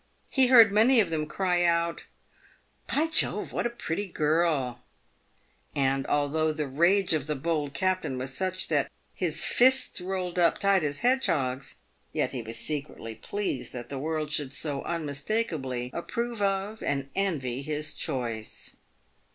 He heard many of them cry out, " By Jove ! what a pretty girl !" And although the rage of the bold captain was such that his fists rolled up tight as hedgehogs, yet he was secretly pleased that the world should so unmistakably approve of and envy his choice.